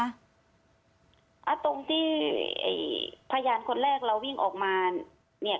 ตรงที่พยานคนแรกเราวิ่งออกมาเนี่ย